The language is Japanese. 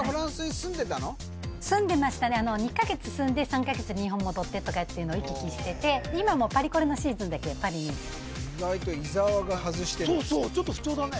住んでましたね２カ月住んで３カ月日本戻ってとかって行き来してて今もパリコレのシーズンだけはパリにそうそうちょっと不調だね